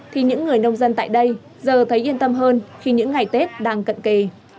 thì những người nông dân tại đây giờ thấy yên tâm hơn khi những ngày tết đang cận kề